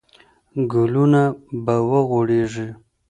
ګلونه به وغوړېږي.